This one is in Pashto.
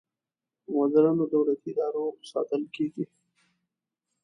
په مدرنو دولتي ادارو ساتل کیږي.